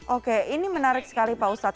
oke ini menarik sekali pak ustadz